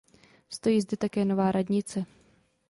Stojí zde také Nová radnice.